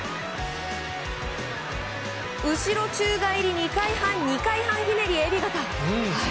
後ろ宙返り２回半２回半ひねりえび型。